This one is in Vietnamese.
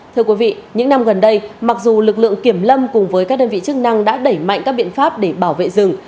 thưa quý vị những năm gần đây mặc dù lực lượng kiểm lâm cùng với các đơn vị chức năng đã đẩy mạnh các biện pháp để bảo vệ rừng